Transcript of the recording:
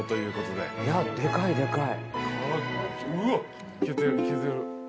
でかいでかい。